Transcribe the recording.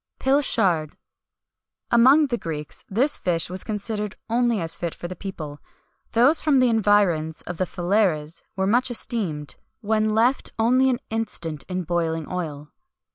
[XXI 200] PILCHARD. Among the Greeks this fish was considered only as fit for the people. Those from the environs of Phaleres were much esteemed, when left only an instant in boiling oil.